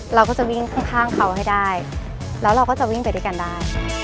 เราก็จะวิ่งข้างเขาให้ได้แล้วเราก็จะวิ่งไปด้วยกันได้